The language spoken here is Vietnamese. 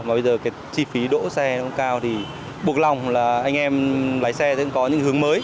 mà bây giờ cái chi phí đỗ xe cũng cao thì buộc lòng là anh em lái xe sẽ có những hướng mới